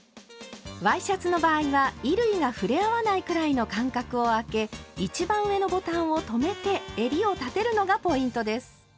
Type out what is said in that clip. ワイシャツの場合は衣類が触れ合わないくらいの間隔をあけ一番上のボタンを留めて襟を立てるのがポイントです。